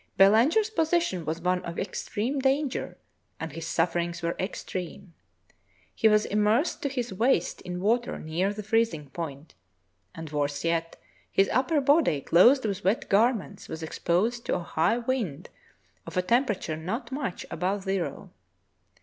Belanger's position was one of extreme danger and his sufferings were extreme. He v/as immersed to his waist in water near the freezing point, and, worse yet, his upper body, clothed with wet garments, was exposed to a high wind of a temperature not much above zero.